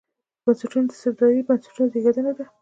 بنسټونه د استبدادي بنسټونو زېږنده ده.